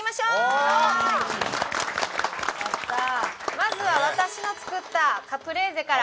まずは私の作ったカプレーゼから。